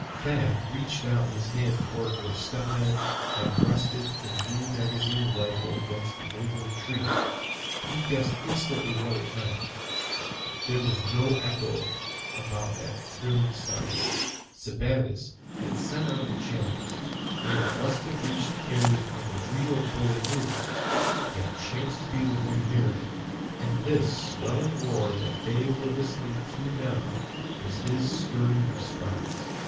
Thad reached out his hand toward where Step Hen had rested his new magazine rifle against a neighboring tree. He guessed instantly what it meant. There was no echo about that thrilling sound! Sebattis had sent out a challenge, and it must have reached the ears of a real bull moose that chanced to be within hearing; and this swelling roar that they were listening to now was his sturdy response.